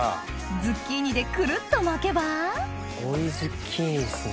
ズッキーニでくるっと巻けば追いズッキーニですね。